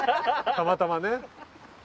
たまたまね。